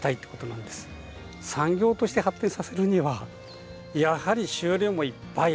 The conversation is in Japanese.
なんとかこの産業として発展させるにはやはり収量もいっぱい。